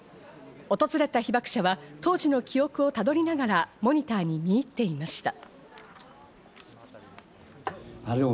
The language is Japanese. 訪れた被爆者は当時の記憶をたどりながら、モニターに見入っていました。